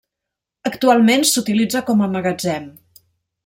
Actualment s'utilitza com a magatzem.